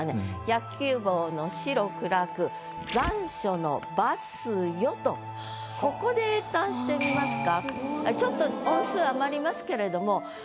「野球帽の白昏く残暑のバスよ」とここで詠嘆してみますか？